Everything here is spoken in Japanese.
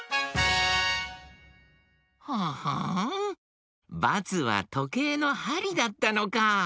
ほほんバツはとけいのはりだったのか。